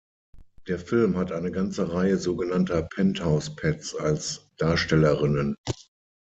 Der Film hat eine ganze Reihe sogenannter "Penthouse Pets" als Darstellerinnen.